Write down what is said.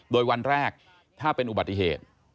โดยวันแรกถ้าเป็นอุบัติเหตุ